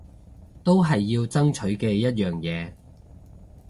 都係要爭取嘅一樣嘢